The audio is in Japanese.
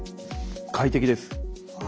快適です。